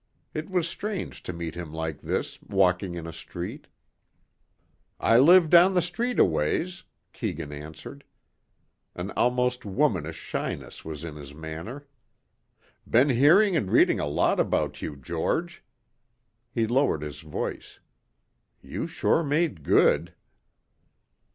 It was strange to meet him like this, walking in a street. "I live down the street a ways," Keegan answered. An almost womanish shyness was in his manner. "Been hearing and reading a lot about you, George." He lowered his voice. "You sure made good."